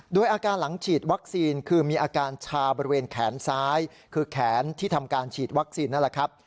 โดยอาการหลังฉีดวัคซีนคือมีอาการชาบริเวณแขนซ้ายคือแขนที่ทำการฉีดวัคซีนนั่นแหละครับ